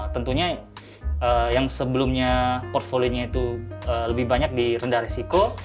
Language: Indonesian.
tentunya yang sebelumnya portfolionya itu lebih banyak di rendah risiko